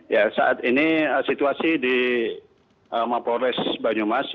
ya saat ini situasi di mapolres banyumas